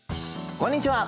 こんにちは！